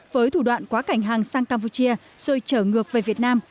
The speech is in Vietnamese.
với thủ đoạn quá cảnh hàng sang campuchia rồi trở ngược về việt nam